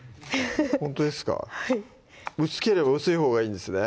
ほんとですか薄ければ薄いほうがいいんですね